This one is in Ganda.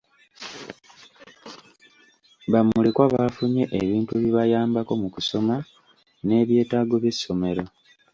Bamulekwa baafunye ebintu ebibayambako mu kusoma n'ebyetaago by'essomero.